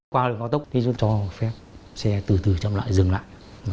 qua đường cao tốc thì chúng tôi cho phép xe từ từ chậm lại dừng lại